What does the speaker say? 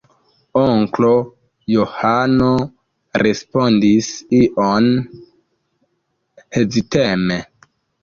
Onklo Johano respondis iom heziteme: